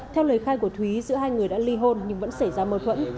theo lời khai của thúy giữa hai người đã ly hôn nhưng vẫn xảy ra mâu thuẫn